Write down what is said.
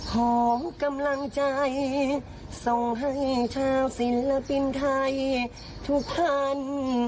ขอกำลังใจส่งให้ชาวศิลปินไทยทุกท่าน